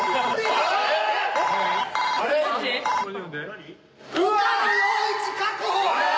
何？